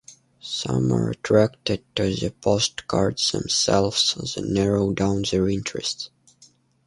Some are attracted to the postcards themselves, then narrow down their interests.